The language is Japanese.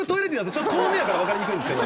ちょっと遠めやからわかりにくいんですけど。